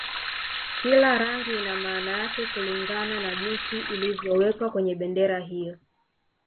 Kila rangi ina maana yake kulingana na jinsi ilivyowekwa kwenye bendera hiyo